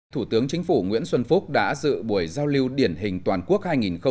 thủ tướng chính phủ nguyễn xuân phúc đã dự buổi giao lưu điển hình toàn quốc hai nghìn một mươi chín